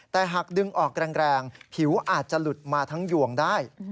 แต่หากดึงออกแรงผิวอาจจะหลุดมาทั้งยวงได้